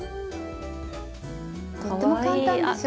とっても簡単でしょ。